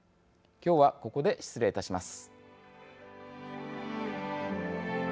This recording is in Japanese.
きょうは、ここで失礼いたします。